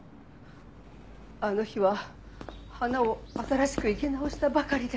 あの日は花を新しく生け直したばかりで。